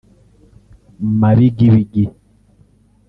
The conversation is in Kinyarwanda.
Mabigibigi